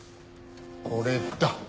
これだ！